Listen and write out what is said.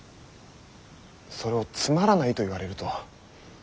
それをつまらないと言われると。